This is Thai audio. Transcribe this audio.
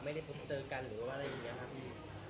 ไม่ได้พบเจอกันหรือว่าอะไรอย่างนี้ครับพี่